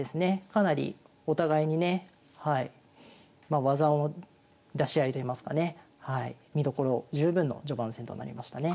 かなりお互いにね技の出し合いといいますかね見どころ十分の序盤戦となりましたね。